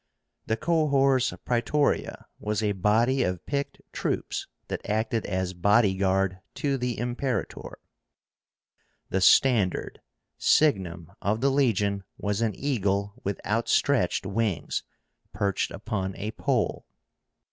The COHORS PRAETORIA was a body of picked troops that acted as body guard to the Imperator. The STANDARD (signum) of the legion was an eagle with outstretched wings, perched upon a pole.